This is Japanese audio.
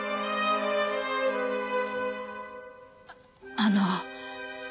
あの。